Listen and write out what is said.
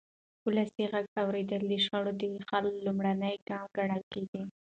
ولسي غږ اورېدل د شخړو د حل لومړنی ګام ګڼل کېږي